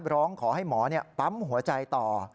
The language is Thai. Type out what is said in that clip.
ร้องขอให้หมอปั๊มหัวใจต่อ